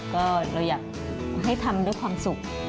ก็เราอยากให้ทำด้วยความสุข